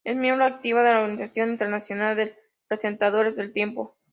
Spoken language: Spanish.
Es miembro activa de la Organización Internacional de Presentadores del Tiempo.